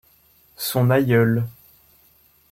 Son aïeul